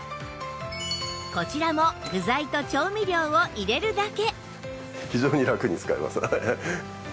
こちらも具材と調味料を入れるだけ